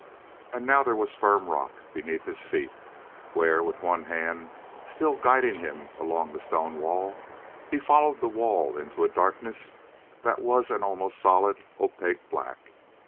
And now there was firm rock beneath his feet, where, with one hand still guiding him along the stone wall, he followed the wall into a darkness that was an almost solid, opaque black.